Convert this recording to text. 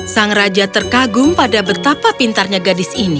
sang raja terkagum pada betapa pintarnya gadis ini